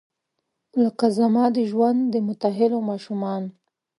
لکه زما د ژوند، د ماتوهیلو ماشومان